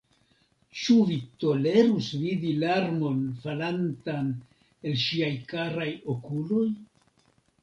Ĉu vi tolerus vidi larmon falantan el ŝiaj karaj okuloj?